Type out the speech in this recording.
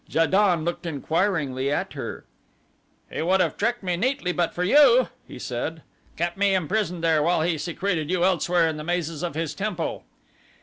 Ja don looked inquiringly at her. "He would have tricked me neatly but for you," he said; "kept me imprisoned there while he secreted you elsewhere in the mazes of his temple."